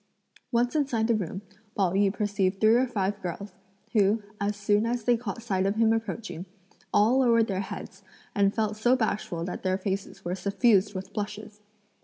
Once inside the room, Pao yü perceived three or five girls, who, as soon as they caught sight of him approaching, all lowered their heads, and felt so bashful that their faces were suffused with blushes.